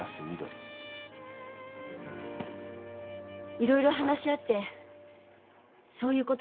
いろいろ話し合ってそういうことになったの。